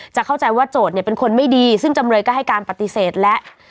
เข้าใจว่าโจทย์เนี่ยเป็นคนไม่ดีซึ่งจำเลยก็ให้การปฏิเสธแล้ว